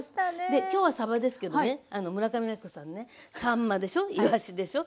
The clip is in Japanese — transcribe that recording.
で今日はさばですけどね村上昭子さんねさんまでしょいわしでしょ